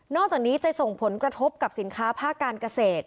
จากนี้จะส่งผลกระทบกับสินค้าภาคการเกษตร